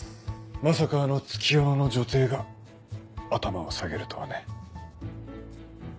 まさかあの月夜野の女帝が頭を下げるとはね。